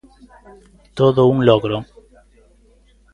Todo un logro.